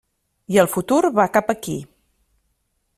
I el futur va cap aquí.